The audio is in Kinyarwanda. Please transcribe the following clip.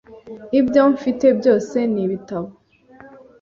Ibyo mfite byose ni ibitabo .